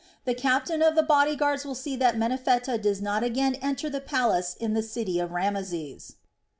The captain of the body guards will see that Menephtah does not again enter the palace in the city of Rameses.